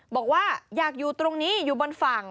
บอกว่าอยากอยู่ตรงนี้อยู่บนฝั่ง